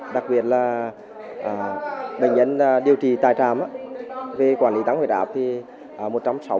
đặc biệt là bệnh nhân điều trị tài trạm về quản lý tăng huyết áp thì một trăm sáu mươi hai bệnh nhân